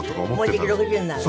もうじき６０になるの？